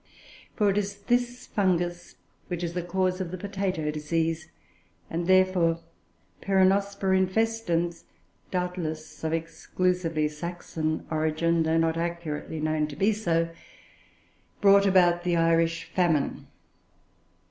For it is this Fungus which is the cause of the potato disease; and, therefore, Peronospora infestans (doubtless of exclusively Saxon origin, though not accurately known to be so) brought about the Irish famine.